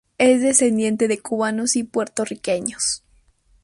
Es descendiente de cubanos y puertorriqueños.